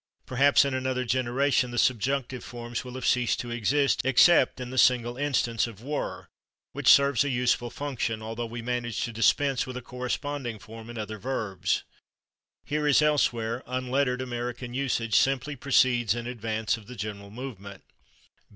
Perhaps in another generation the subjunctive forms will have ceased to exist except in the single instance of /were/, which serves a useful function, although we manage to [Pg210] dispense with a corresponding form in other verbs." Here, as elsewhere, unlettered American usage simply proceeds in advance of the general movement.